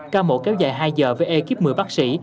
ca mổ kéo dài hai giờ với ekip một mươi bác sĩ